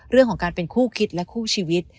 เรื่องของการเป็นคู่คิดและคู่ชีวิต